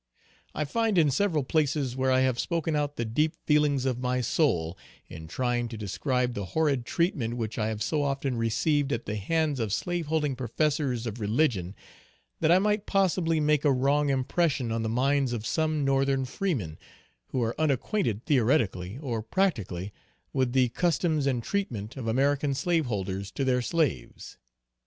I find in several places, where I have spoken out the deep feelings of my soul, in trying to describe the horrid treatment which I have so often received at the hands of slaveholding professors of religion, that I might possibly make a wrong impression on the minds of some northern freemen, who are unacquainted theoretically or practically with the customs and treatment of American slaveholders to their slaves.